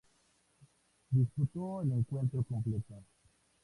Disputó el encuentro completo.